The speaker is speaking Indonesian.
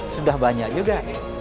sudah banyak juga